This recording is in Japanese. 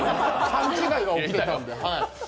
勘違いが起きてたんで。